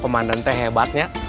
pemandan teh hebatnya